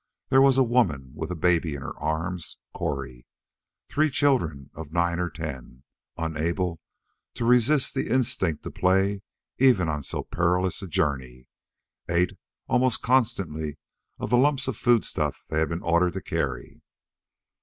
There was a woman with a baby in her arms Cori. Three children of nine or ten, unable to resist the instinct to play even on so perilous a journey, ate almost constantly of the lumps of foodstuff they had been ordered to carry.